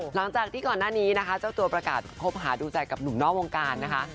หลังจากที่ก่อนหน้านี้นะคะเจ้าตัวประกาศคบหาดูใจกับหนุ่มนอกวงการนะคะ